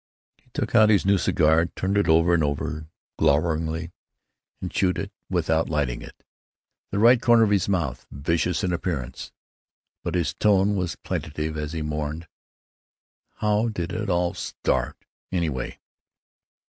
He took out his new cigar, turned it over and over gloweringly, and chewed it without lighting it, the right corner of his mouth vicious in appearance. But his tone was plaintive as he mourned, "How did it all start, anyway?"